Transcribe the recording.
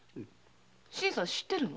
新さん知ってるの？